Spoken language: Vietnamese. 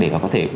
để có thể